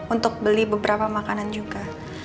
untuk beli beberapa makanan juga